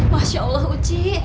masya allah uci